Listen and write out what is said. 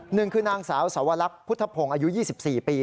หนึ่งคือนางสาวสวรรคพุทธพงศ์อายุ๒๔ปี